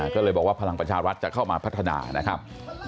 ก็เลยบอกว่าพลังประชารัฐจะเข้ามาพัฒนานะครับ